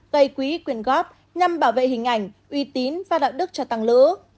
gây quỹ quyền góp nhằm bảo vệ hình ảnh uy tín và đạo đức cho tăng lữ